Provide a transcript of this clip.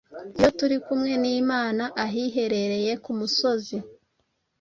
Iyo turi kumwe n’Imana ahihereye ku musozi,